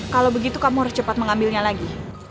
kalau begitu kamu harus cepat mengambilnya lagi